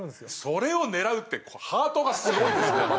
それを狙うってハートがすごいですねまたね。